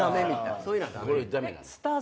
そういうのは駄目？